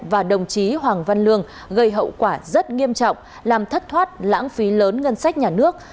và đồng chí hoàng văn lương gây hậu quả rất nghiêm trọng làm thất thoát lãng phí lớn ngân sách nhà nước